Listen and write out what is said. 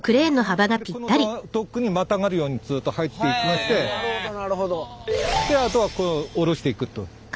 このドックにまたがるようにずっと入っていきましてあとは降ろしていくと。